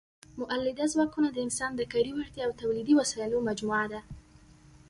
مؤلده ځواکونه د انسان د کاري وړتیا او تولیدي وسایلو مجموعه ده.